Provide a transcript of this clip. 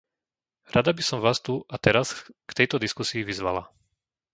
Rada by som Vás tu a teraz k tejto diskusii vyzvala.